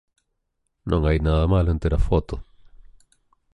Non hai nada malo en ter a foto